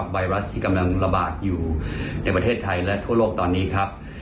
ไวรัสที่กำลังระบาดอยู่ในประเทศไทยและทั่วโลกตอนนี้ครับ